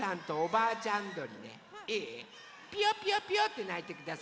ピヨピヨピヨってないてください。